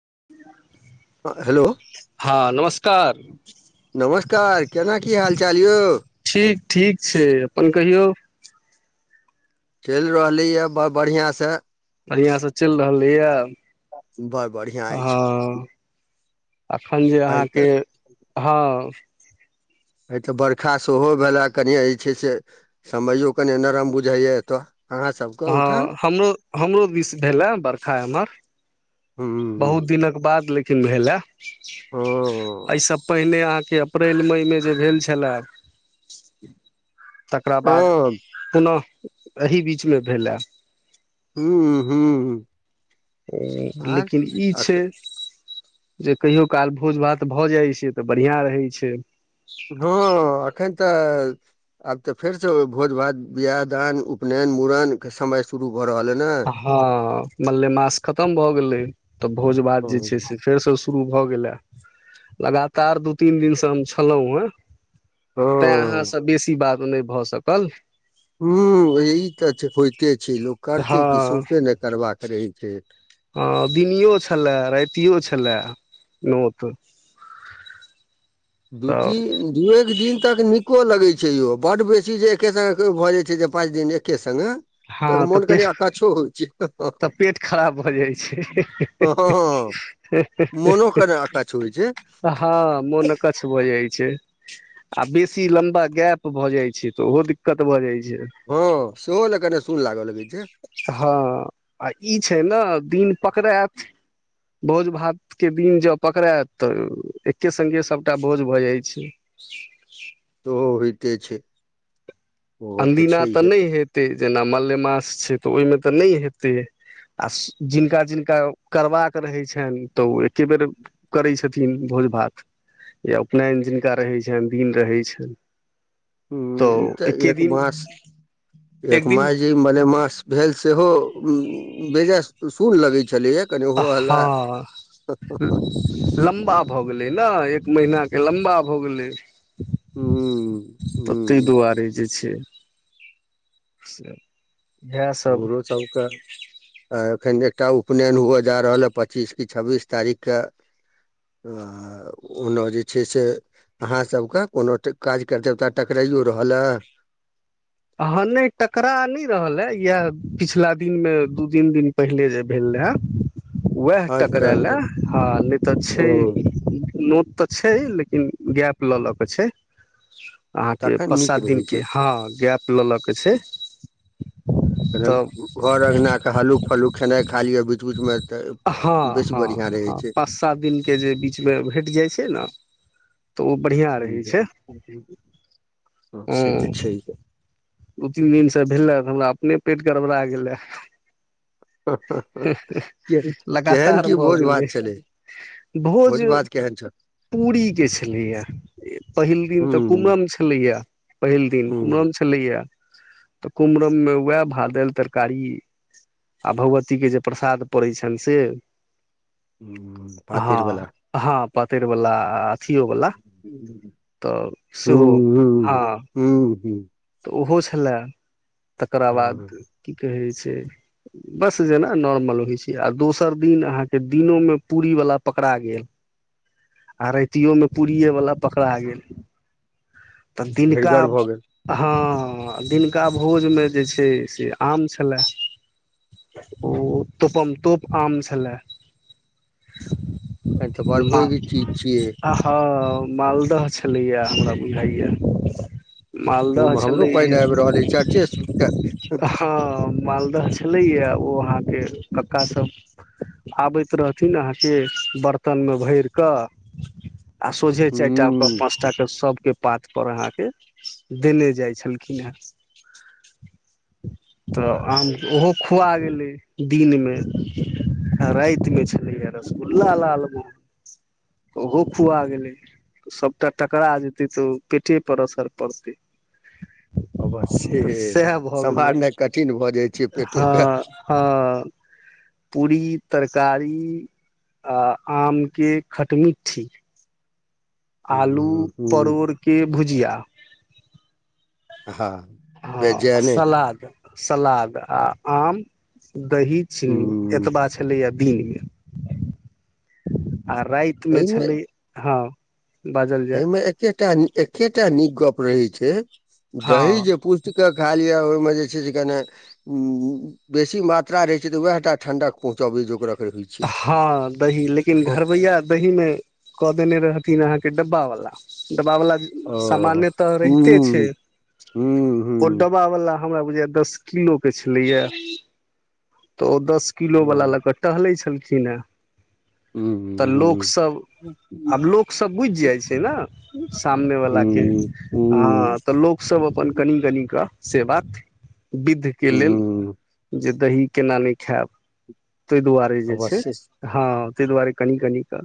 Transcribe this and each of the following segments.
[inaudible] हँ हेलो हँ नमस् नमस्कार केना की हाल चाल यौ ठीक ठीक छै अपन कहियौ चलि रहलीए बड़ बढ़िआँसँ बढ़िआं से चलि रहलै य बड़ बढ़िआँ अछि हँ एखन जे आइ तऽ अहाँके हँ ह तऽ बरखा सेहो भेलए कनिए जे छै से समयो कनि नरम बुझाइए एतय अहाँ सभके ओहिठाम हँ हमरो हमरो दिस भेले बर्षा एम्हर हूँ बहुत दिनक बाद लेकिन किन् भेल ए हँ एहिसँ पहिने अहाँ अप्रैल मई मे जे भेल छलए तकरा बाद हँ पुनः अहि बीच भेला हू हू ह लेकिन ई छै जे कहियो काल भोज भात भऽ जाइत छै तऽ बढ़िआँ रहैत छै हँ एखन तऽ आब तऽ फेरसँ भोज भात बियाह दान उपनयन मुड़नके समय शुरू भऽ रहल अइ ने हँ मल्लेमास खतम भऽ गेलै तऽ भोज भात जे छै हँ से फेरसँ शुरू भऽ गेल ह लगातार दू तीन दिन से हम छलहुँ हे तैं हँ अहाँसँ बेसी बात नहि भऽ सकल हू ए तऽ छै होयते छै लोक करते कि हँ सोसे नहि करबाका रहे छै हँ दिनओ छलय रातिओ छलय नोत दू तऽ तीन दू एक दिन तक नीको लगै छै छै यो बड बेसी जे एके संग भऽ जाय छै पाँच दिन एके संगे हँ त तऽ मोन पेट करै अकछो होइ छै तऽ पेट खराब भऽ जाइ छै हँ मोनो कनि अकच्छ होइ छै हँ मोन अकक्ष भ जा छै आ बेसी लम्बा गैप भऽ जाइ छै तऽ ओहो दिक्कत भऽ जाइ छै हँ सेहो लए कनि सुन लागलै हँ आ ई छै ने दिन पकड़त भोज भातके दिन जँ पकड़ायत तऽ एके सङ्गे सभटा भोज भऽ जाइ छै तोहो होइत छै ओहो अनदीना तऽ छैहे नहि हेतै जेना मलेमास छै तऽ ओहिमे तऽ नहि हेतै आ जिनका जिनका करबाक रहै छनि तऽ ओ एकेबेर करैत छथिन भोज भात या उपनयन जिनका रहै छनि दिन रहै छनि तऽ ह ई एके तऽ दिन मास एक माय जी मले मास भेल सेहो बेजाय सुन लगे छै अब हँ लम्बा भऽ गेलै ने एक महिना के लम्बा भ गेलै हूं तऽ ताहि हूं दुआरे जे छै से इएह सब हमरो सबके एखन एकटा उपनयन हुअ जा रहल ह पच्चीस कि छब्बीस तारीखकेँ ओना जे छै से अहाँसभके कोनो काज कर देवता टकराइयओ रहल हए ह नहि टकरा नहि रहल हए इएह पिछिला दिनमे दू तीन दिन पहिले जे भेल रहै हे उएह टक अच्छा लए अच्छा ह नहि तऽ ओ छै नत तऽ छै लेकिन गैप लऽ लऽ के छै अहाँके तखन पांच नीक सात दिन रहै छै के हँ गैप ल ल के छै त कने घर अङ्गना के हल्लुक फल्लुक खेनाइ खा लिअ बीच बीच मे तऽ हं‌ बेसी हं बढ़िआँ रहै हं छै पांच सात दिन के भेट जाय छै न हँ हँ से तऽ छैहे दू तीन दिनसँ भेलै तऽ हमरा अपने पेट गड़बड़ा गेलै के- केहन लगातार की भऽ भोज गेलै भात छलै भोज भात केहन छल पूरी के छलैया पहिल दिन तऽ हूं कुम्हम छलैया पहिल दिन हूं कुम्हम छलैया तऽ कुम्रममे उएह भात दालि तरकारी आ भगवतीके जे प्रसाद पड़ैत छनि से ह पातर बला पातर वला पियओ वला हूं तऽ सेहो हँ हूं हूं हूं तऽ ओहो छलय तकरा बाद हँ की कहे छै ब जेना नॉर्मल होइ छै दोसर दिन अह दिन पूरी व पकड़ा गेल प्तियो में पूड़िये वालला पकड़ा गेल तऽ दिनका भरिगर भऽ गेल हँ दिनका भोजमे जे छै से आम छलए ओ तोपम तोप आम छलए तहन तऽ बड़ म पैघ चीज छियै आ ह मालद छलिया मालदह ओहोमे हमरो छलै पानि आबि रहल अछि चर्चे सुनि कऽ हँ मालदह छलैएा ओ अहाँके कक्कासभ आबैत रहथिन अहाँके बर्तनमे भरिकऽ आ सोझे चारि टा के हूं पांचटा के सब के पातपर अहाँके देने जाइ छलखिन हेँ तऽ आ आम ओहो खुआ गेल दिन मे आ राति मे छलैया रसगुल्ला लाल म ओहो खुआ गेलै सबटा टकरा जेते तऽ पेटे पर असर पड़ते अवश्य से सएह भऽ गेलै सम्हारनाइ कठिन भऽ जाइ छै पेटोे हँ हँ पूरी तरकारी आ आमके खटमिट्ठी आलू हूं हूं परोड़ के भुजिया हँ हँ आ बेचैने सलाद सलाद आ आम दही चीनी हूं एतबा छलैया ब आ राति मे एहिमे छलै हँ बाजल जाय एहिमे एकेटा एकेटा निक गप रहै छै दही हँ जे पूर्ति के खा लिय ओहि मे जे छै से कने उ बेसी मात्रा रहय छै त वएह टा ठंडक पहुंचाबे छै जोकरक हँ दही लेकिन घरबैया दही मे कऽ देने रहथिन अहाँके डब्बा वाला ह डबा वाला हूँ सामाने तऽ रहिते छै हूँ हूँ ओ हूँ डबा वाला हमरा बुझाय या दस किलो के छलैया त ओ दस किलो वाला लऽ हूँ क टहले छै केलखिन ने तऽ हूँ लोकसभ आब लोकसभ बुझि जाइ छै ने सामने वलाके हूँ हँ हूँ तऽ लोकसभ अपन कनि कनि कऽ से बात विध के हूँ लेल हूँ जे दही केना नहि खायब ताहि दुआरे अवश्य [unintelligible] हँ ताहि दुआरे कनि कनि क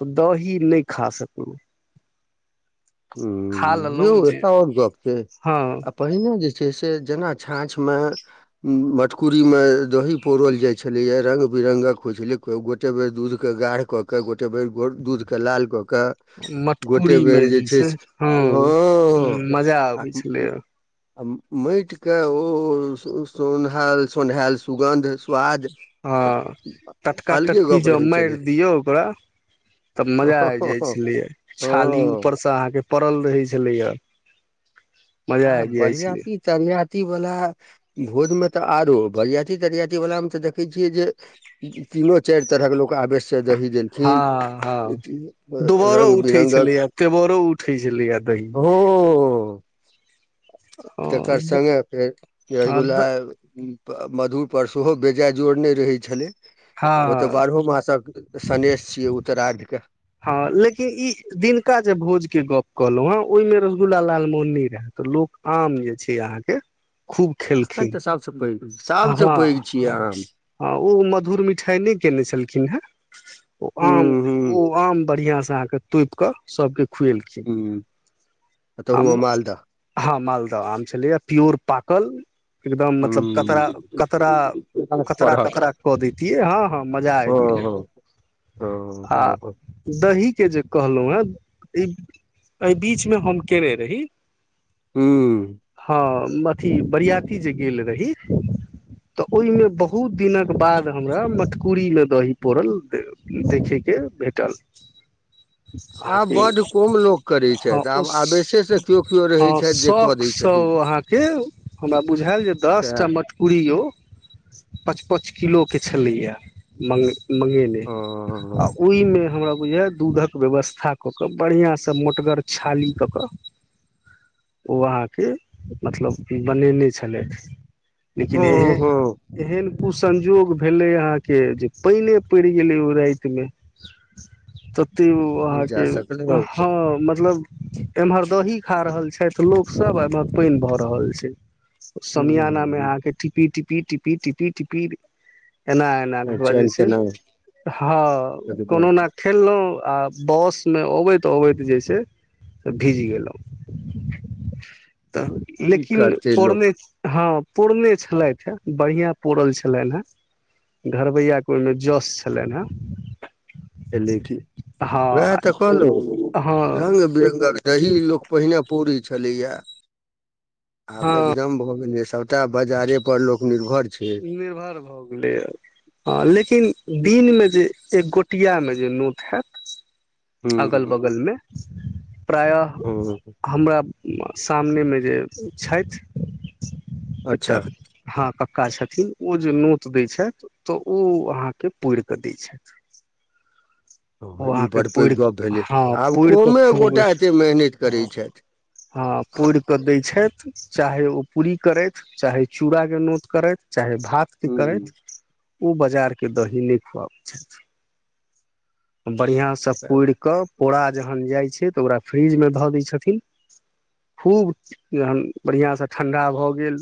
तऽ दही नहि खा सकलहु ह यौ एटा आओर गप छै हँ आ पहिने जे जे छै से जेना छाँछ मे मटकूरी मे दही पौरल जाइत छलैया रंग बिर्गक होइ छलै गोटे बेर दूध के गाढ़ कऽ के गोटे बेर गो दूध के लाल कऽ के क गोटे मटकुरी बेर मे जे से हँ हँ मजा आ आबै छलै आ माटिके ओ सोन्हायल सोन्हायल सुगन्ध स्वाद हँ टटका अलगे तटटकी गप जब रहै मारि छलै दियौ ओकरा तब मजा आ जाइ हँ छलियै छाली ऊपर से अहाँके पड़ल रहै छलैया मजा आब आबि जाइ छलै बरियाती तरियाती ती वला भोज मे तऽ आरो बरियाती तरियाती वला मे तऽ देखे छियै जे तीनो चारि तरह के लोक आबेश हाँ हाँ दुबोरो रंग उठै बिरंगक छलैया, तेबोरो उठै छलैया दही। हो तकर हँ संगे फेर रसगुल्ला उम्म प मधु पर सोहो बेजाय जोड़ ने रहै छलै। ओ ते बारहो मासक सनेेश छियै, उ ते रा क हँ लेकिन ई दिनका जे भोजके गप्प कहलहुँ हेँ ओहिमे रसगुल्ला लाल मोहन नहिं रहय तऽ लोक आम जे छै अहाँके अखन तऽ सब स पैघ हाँ सभसँ पैघ छियै हाँ आम हाँ उ मधुर मिठाय नै केने छैलखिन हय। उ हूं आम हूं उ आम बढ़ियाँ से आ के तौएप के सबके खुएलखिन हूं आ तहुमे म मालदह हाँ माल तऽ आम छलैया प्योर पाकल। एगदम हूं मतलब कतरा कतरा कतरा परहक कतरा कऽ देैतिये, हाँ हाँ मजा हँ आब गेलै हँ आ हँ हँ दही के जे कहलौ एं। ई ए बीच मे हम केरै रही। ह्म्म। हम अथी बरियाती जे गेल रही। तऽ ओय मे बहुत दिनक बाद हमरा मटकूरी मे दही पौड़ल देखे के भेटल। आब बड्ड कम लोक करै [unintelligible] हां छथि आब उस आवेशेसँ केओ केओ रहै हां छथि जे शौख कऽ दै से उ छथिन अहाँ के हमरा बुझाएल जे दस सएह पूड़ियो पच पच किलो के छलैया मं मंगेेले आ हँ ओय मे हमरा बुझा दूधक व्यवस्था कऽ केऽ बढ़ियाँ से मोटगर छाली कऽ कऽ उ अहाँ के मतलब बनेने छलै। लेकिन एहे हँ हँ एहन उ संजोग भेलै अहाँ के जे पेएने पैड़ गेलै ओय रात मे तऽ तै उ नहि अहाँ जा के सकलौ हाँ मतलब एम्हर दही खा रहल छैथ लोक सब, एमहर पेएन भऽ रहल छै। समियाना मे हूँ आ के ठीपी टी पीटी, पीटी, पीटी, टीपीर एना एना घोल चैन छै, केना हाँ कोनो एकदम ना ठेललौ। आ बस मे अबैत अबैत जे छै से भीज गेलौ। तऽ की लेकिन करतै पौड़ने लोक हाँ। पौड़ने छलैथ हय, बढ़ियाँ पौड़ल छलैन हय, घरबैया के ओय मे जस छलैन हय। लेकिन वएह तऽ कहलहु हँ रग बिरङगक सही लोक पहिने पूरी छलैया। आब हँ एकदम भो गेल सटा बजारे पर ल लोक निर्रभर मेघार भऽ गेलैया, हाँ लेकिन दिन मे जे एक गोटिया मे जे नोत हाएत। हूँ अगल-बगल मे प्रायः हँ हमरा सामनेमे जे छथि। एकटा अच्छा हँ पक्का छथिन ओ जे नोत दै छथि तऽ ओ अहाँके पोरि कऽ दै छथि। हँ ओ ई अहाँके बड़ पैघ परि गप भेलै हँ आब परि कऽ कमे खूब गोटा एते मेहनति करै हँ छथि हँ परि कऽ दै छथि। चाहे ओ पूरी करथि चाहे चूड़ाके नोत करथि चाहे भात की हूँ करैत। ओ बाजारके दही नहि खुआबै छथि। बढ़िआँसँ पुरिकऽ पोरा जहन जाइ छै तऽ ओकरा फ्रिजमे धऽ दै छथिन खूब जहन बढ़िआँसँ ठण्डा भऽ गेल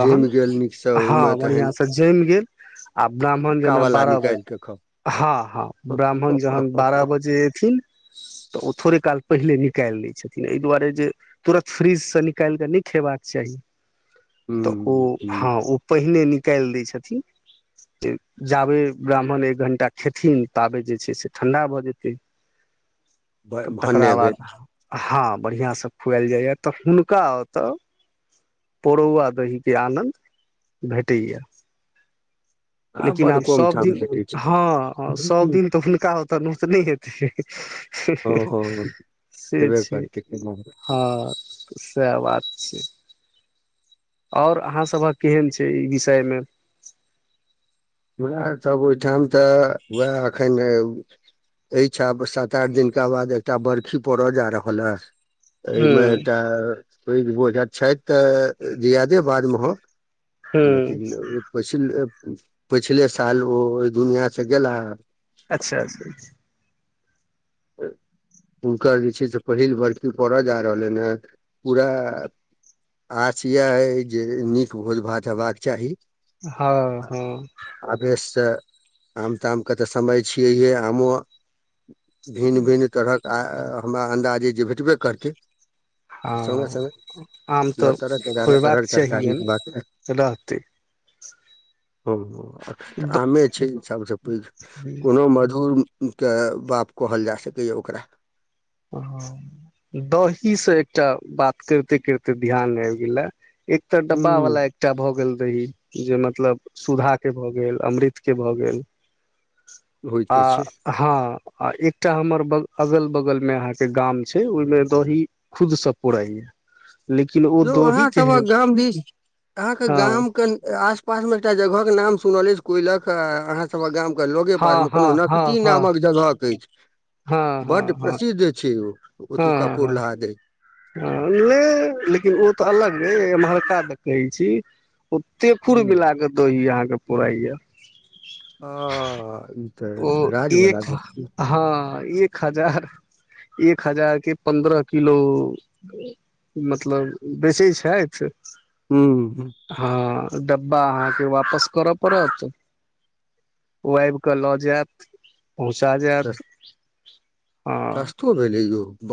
तहन जमि गेल नीकसँ हँ ओहिमे तहन बढ़िआं से जमि गेल ह। आ ब्राह्मण जेना फक्कावला बारह निकालि बजे कऽ खाउ हँ हँ। ब्राह्मण जहन बारह हूँ बजे ऐथिन तऽ ओ थोड़े काल पहिले निकालि लै छथिन एहि दुआरे जे तुरत फ्रिजसँ निकाल कऽ नहि खेबाक चाही। तऽ ओ हूँ हँ ओ पहिने न कल दय छथिन जाबे ब्राह्मण एक घण्टा खेथिन ताबे जे छै से ठण्डा भऽ जेतै। भ तऽ भरने तकरा बाद भेल। हँ बढ़िआँसँ खुआएल जाइए त हुनका ओतय परौआ दहीके आनन्द भेटैए। आ लेकिन बड आब कम ठाम सभदिन भेटै छै हँ हम्म, सभदिन त हुनका ओतत नहि हेतै। हँ [unintelligible] हँ से हेबे छै करतै केना। हँ। सएह बात छै। आओर अहाँसभक केहन छै ई विषयमे। हमरा सब ओहिठाम तऽ वह अखन अ छ सात आठ दिनका बाद एकटा बर्फी पड़य जा रहल हे एहिमे हूँ एकटा ओ बोझ छथि तऽ जियादे बादमे हो। न हूँ पी ह। पिछले साल ओ ओहि दुनिआ से गेला अच्छा। हुनकर जे छै से पहिल बर्की पड़य जा रहलनि हे पूरा आस इएह अइ जे नीक भोज भात हेबाक चाही। हँ हँ। आवेशसँ आम तामके त समय छियैहे आमो भिन्न भिन्न तरहक आ हमरा अन्दाजे जे भेटबे करतै। सङ्गे हँ सङ्गे आम त नओ तरहक एगारह खुएबाक तरहक तरकारी चाहियै ने रहतै। ह। त आमे छै सभसँ पैघ कोनो मधूर के बाप कहल जा सकैया ओकरा। ह दहीसँ एकटा बात करिते करिते ध्यान आबि गेले। एक तर डब्बा वाला हूँ एकटा भऽ गेल जे मतलब सुधा के भ गेल अमृत के भ गेल। आ होइते छै हँ। आ एकटा हमर ब अगल बगल मे अहाँ के गाम छै ओहिमे दही खुद से पूरा यै। यो वहाँ सबक गाम भी अहाँके हँ गाम के आस पास में एकटा जगह के नाम सुनल अछि कोयलक अहाँ सबक गाम लोगे हँ पास मे हँ कोनो हँ नकदी हँ नामक जगह अछि हँ बड हँ हँ प्रसिद्ध छै ओ। ओटाउका पोरलाहा दही। ह। लेकिन ओ त अलग रह मल। क देख कहै छी। ओते खुर हूँ मिलााक दही अहाँके पराए। ह। ई तऽ राजवला एक गप छै। हँ एक हजार एक हजार के पन्द्रह किलो मतलब बेचै छथि। हँ ह। हँ डब्बा अहाँके वापस करऽ पड़त के लऽ जायत। पहुँचा जायत ह। सास्तो भेल योउ।